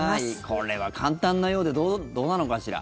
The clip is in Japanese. これは簡単なようでどうなのかしら。